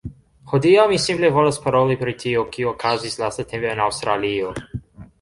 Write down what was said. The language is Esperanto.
Hodiaŭ mi simple volas paroli pri tio, kio okazis lastatempe en Aŭstralio